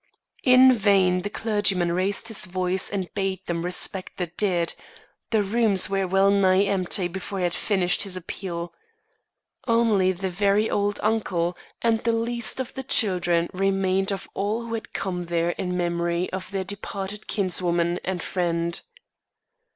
In vain the clergyman raised his voice and bade them respect the dead; the rooms were well nigh empty before he had finished his appeal. Only the very old uncle and the least of the children remained of all who had come there in memory of their departed kinswoman and friend.